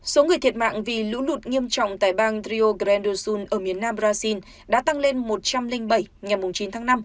số người thiệt mạng vì lũ lụt nghiêm trọng tại bang rio grande do sul ở miền nam brazil đã tăng lên một trăm linh bảy ngày chín tháng năm